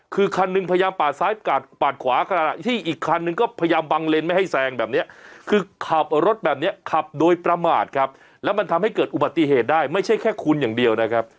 คือคันหนึ่งพยายามปาดซ้ายปาดขวาขณะที่อีกคันนึงก็พยายามบังเลนไม่ให้แซงแบบนี้คือขับรถแบบนี้ขับโดยประมาทครับแล้วมันทำให้เกิดอุบัติเหตุได้ไม่ใช่แค่คุณอย่างเดียวนะครับ